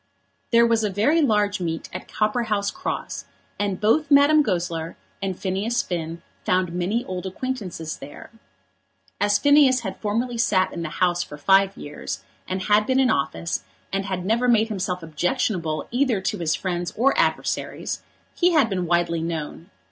There was a very large meet at Copperhouse Cross, and both Madame Goesler and Phineas Finn found many old acquaintances there. As Phineas had formerly sat in the House for five years, and had been in office, and had never made himself objectionable either to his friends or adversaries, he had been widely known.